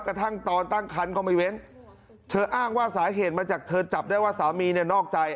กระทั่งตอนตั้งคันก็ไม่เว้นเธออ้างว่าสาเหตุมาจากเธอจับได้ว่าสามีเนี่ยนอกใจ